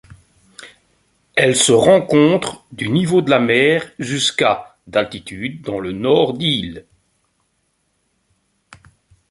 Elle se rencontre du niveau de la mer jusqu'à d'altitude dans le Nord d'île.